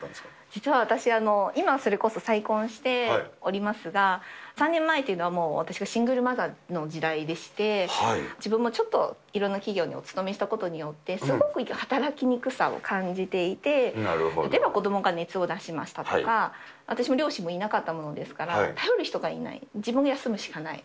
実は私、今はそれこそ再婚しておりますが、３年前というのはもう私がシングルマザーの時代でして、自分もちょっと、いろんな企業にお勤めしたことによってすごく働きにくさを感じていて、例えば子どもが熱を出しましたとか、私も両親もいなかったものですから、頼る人がいない、自分が休むしかない。